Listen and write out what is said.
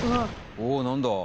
お何だ？